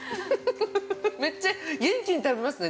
めっちゃ元気に食べますね。